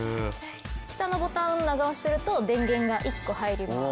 下のボタンを長押しすると電源が１個入ります。